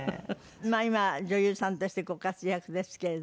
今は女優さんとしてご活躍ですけれども。